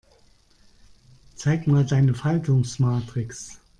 Zeig mal deine Faltungsmatrix.